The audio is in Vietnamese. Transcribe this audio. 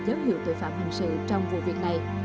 dấu hiệu tội phạm hình sự trong vụ việc này